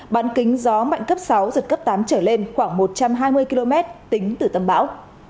bán kính gió mạnh cấp sáu giật cấp tám trở lên khoảng một trăm hai mươi km tính từ tâm bão